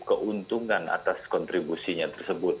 keuntungan atas kontribusinya tersebut